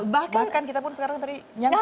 bahkan kita pun sekarang tadi nyangkut